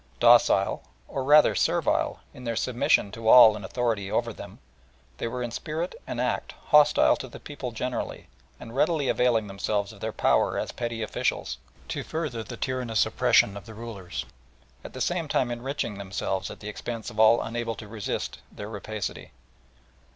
Docile, or rather servile, in their submission to all in authority over them, they were in spirit and act hostile to the people generally, and readily availing themselves of their power as petty officials to further the tyrannous oppression of the rulers, at the same time enriched themselves at the expense of all unable to resist their rapacity.